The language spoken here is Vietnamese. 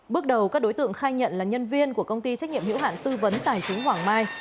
bước đầu các đối tượng khai nhận là nhân viên của công ty trách nhiệm hiểu hạn tư vấn tài chính hoàng mai